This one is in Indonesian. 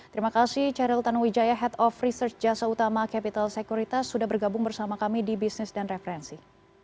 terima kasih cheryl tanuwijaya head of research jasa utama capital security sudah bergabung bersama kami di bisnis dan referensi